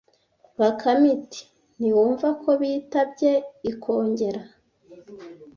Bakame iti Ntiwumva ko bitabye Ikongera